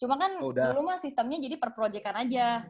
cuma kan dulu mah sistemnya jadi perprojekan aja